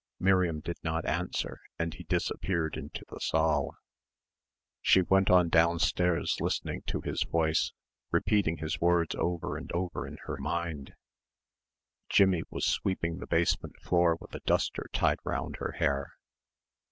Miriam did not answer and he disappeared into the saal. She went on downstairs listening to his voice, repeating his words over and over in her mind. Jimmie was sweeping the basement floor with a duster tied round her hair.